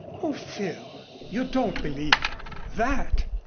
"Oh, Phil, you don't believe that!"